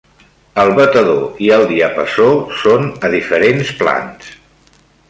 El batedor i el diapasó són a diferents plans.